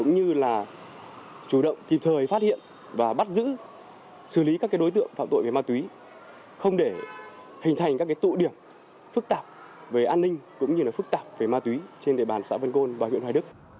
như là chủ động kịp thời phát hiện và bắt giữ xử lý các đối tượng phạm tội về ma túy không để hình thành các tụ điểm phức tạp về an ninh cũng như phức tạp về ma túy trên địa bàn xã vân côn và huyện hoài đức